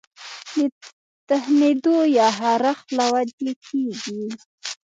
د تښنېدو يا خارښ له وجې کيږي